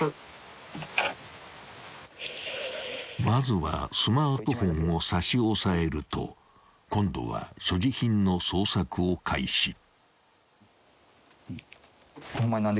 ［まずはスマートフォンを差し押さえると今度は所持品の捜索を開始］